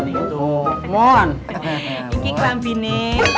ini kelam pini